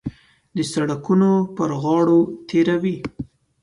د سړکونو پر غاړو تېروي.